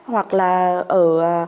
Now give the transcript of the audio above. hoặc là ở